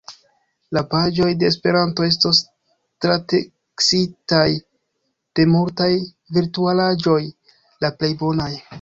La paĝoj de Esperanto estos trateksitaj de multaj virtualaĵoj, la plej bonaj.